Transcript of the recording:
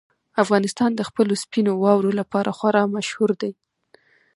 افغانستان د خپلو سپینو واورو لپاره خورا مشهور دی.